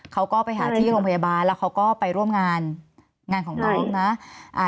เขาก็ไปหาที่โรงพยาบาลแล้วเขาก็ไปร่วมงานงานของน้องนะอ่า